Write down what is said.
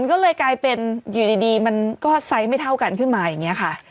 ก็เลยกลายเป็นอยู่ดีมันก็ไซส์ไม่เท่ากันขึ้นมาอย่างนี้ค่ะ